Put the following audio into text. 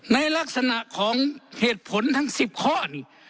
ในลักษณะของเหตุผลทั้ง๑๐ข้อนี่